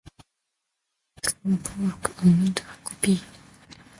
Jackson Pollock owned a copy.